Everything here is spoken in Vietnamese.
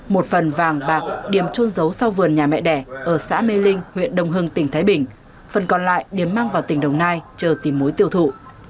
một phần vàng bạc điểm trôn giấu sau vườn nhà mẹ đẻ ở xã mê linh huyện đồng hưng tỉnh thái bình phần còn lại điểm mang vào tỉnh đồng nai chờ tìm mối tiêu thụ